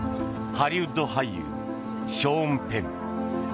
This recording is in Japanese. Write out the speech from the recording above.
ハリウッド俳優ショーン・ペン。